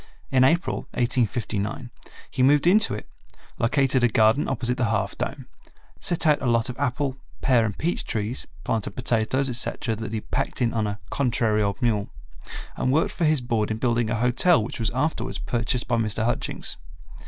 In April, 1859, he moved into it, located a garden opposite the Half Dome, set out a lot of apple, pear and peach trees, planted potatoes, etc., that he had packed in on a "contrary old mule," and worked for his board in building a hotel which was afterwards purchased by Mr. Hutchings.